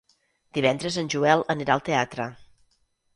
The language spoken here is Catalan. Divendres en Joel anirà al teatre.